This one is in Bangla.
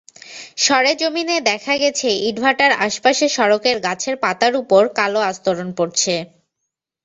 সরেজমিনে দেখা গেছে, ইটভাটার আশপাশের সড়কের গাছের পাতার ওপর কালো আস্তরণ পড়ছে।